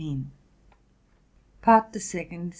179 PART THE SECOND.